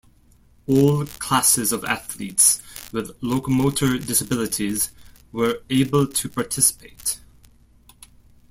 All classes of athletes with locomotor disabilities were able to participate.